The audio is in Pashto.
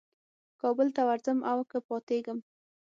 کابل ته ورځم او که پاتېږم.